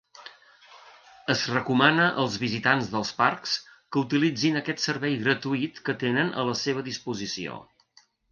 Es recomana als visitants dels parcs que utilitzin aquest servei gratuït que tenen a la seva disposició.